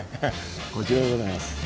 こちらでございます。